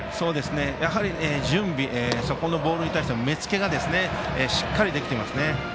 やっぱり、準備そこのボールに対しての目付けがしっかりできていますね。